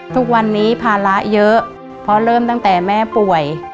ทุกวันนี้ภาระเยอะเพราะเริ่มตั้งแต่แม่ป่วย